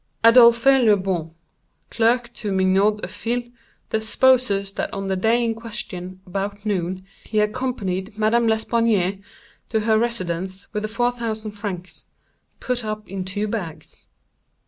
"Adolphe Le Bon, clerk to Mignaud et Fils, deposes that on the day in question, about noon, he accompanied Madame L'Espanaye to her residence with the 4000 francs, put up in two bags.